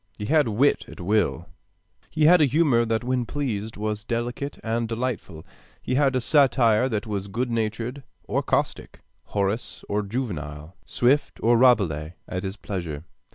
He had wit at will. He had humor that when he pleased was delicate and delightful. He had a satire that was good natured or caustic, Horace or Juvenal, Swift or Rabelais, at his pleasure.